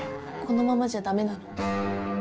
このままじゃダメなの？